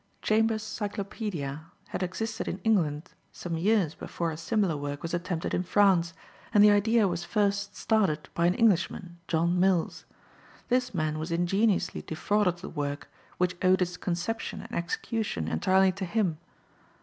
Chambers' Cyclopaedia had existed in England some years before a similar work was attempted in France, and the idea was first started by an Englishman, John Mills. This man was ingeniously defrauded of the work, which owed its conception and execution entirely to him.